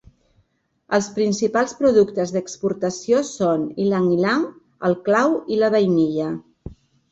Els principals productes d'exportació són l'ilang-ilang, el clau i la vainilla.